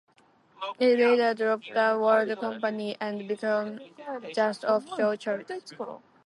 It later dropped the word 'Company' and became just "Official Charts".